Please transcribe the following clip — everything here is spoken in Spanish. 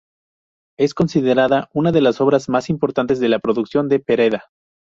Es considerada una de las obras más importantes de la producción de Pereda.